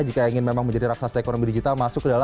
jika ingin memang menjadi raksasa ekonomi digital di asia tenggara